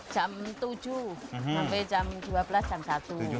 jam tujuh sampai jam dua belas jam satu